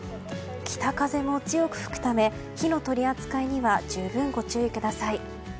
北風も強く吹くため火の取り扱いには十分ご注意ください。